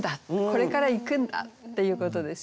これから行くんだっていうことですよね。